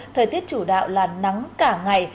thời tiết chủ đạo là nắng cả ngày